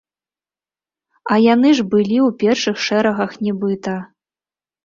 А яны ж былі ў першых шэрагах нібыта.